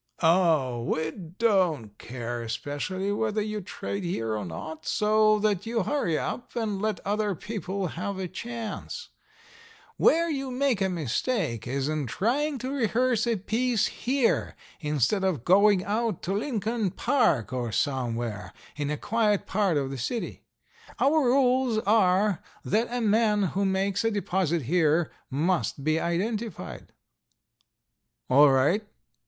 "Oh, we don't care especially whether you trade here or not, so that you hurry up and let other people have a chance. Where you make a mistake is in trying to rehearse a piece here instead of going out to Lincoln Park or somewhere in a quiet part of the city. Our rules are that a man who makes a deposit here must be identified." "All right.